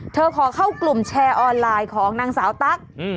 ขอเข้ากลุ่มแชร์ออนไลน์ของนางสาวตั๊ก